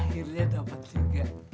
akhirnya dapat tinggal